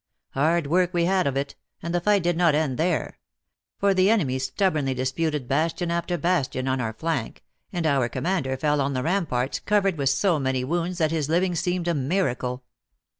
Hard work we had of it, and the fight did not end there ; for the enemy stub bornly disputed bastion after bastion on our flank, and our commander fell on the ramparts covered with so many wounds that his living seemed a miracle.